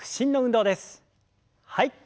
はい。